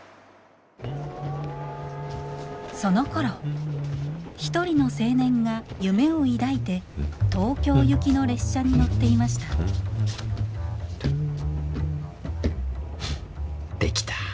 そのころ一人の青年が夢を抱いて東京行きの列車に乗っていました出来た。